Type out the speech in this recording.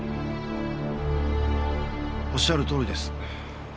おっしゃるとおりです。